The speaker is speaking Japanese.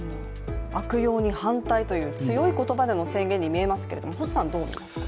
悪用に反対という強い言葉での宣言に見えますけれども星さん、どう見ますか？